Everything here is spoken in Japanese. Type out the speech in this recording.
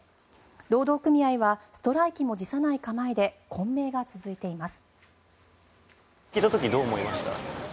労働組合はストライキも辞さない構えで混迷が続いています。